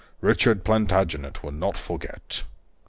Richard Plantagenet will not forget."